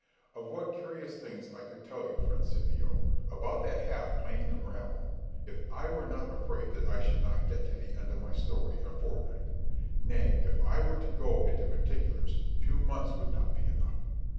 O what curious things I could tell you, friend Scipio, about that half Paynim rabble, if I were not afraid that I should not get to the end of my story in a fortnight! Nay, if I were to go into particulars, two months would not be enough.